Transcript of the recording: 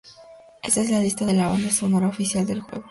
Esta es la lista de la banda sonora oficial del juego